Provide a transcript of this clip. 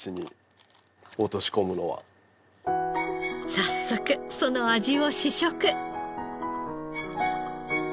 早速その味を試食。